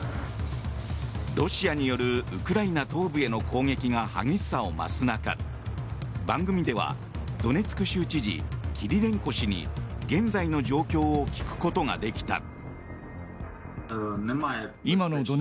ロシアによるウクライナ東部への攻撃が激しさを増す中番組では、ドネツク州知事キリレンコ氏に現在の状況を聞くことができた。